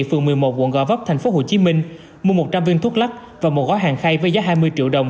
phường một mươi một quận gò vấp tp hcm mua một trăm linh viên thuốc lắc và một gói hàng khay với giá hai mươi triệu đồng